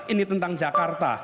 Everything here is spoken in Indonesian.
ini tentang jakarta